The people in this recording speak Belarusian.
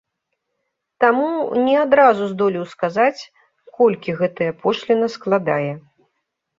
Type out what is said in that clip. Таму не адразу здолеў сказаць, колькі гэтая пошліна складае.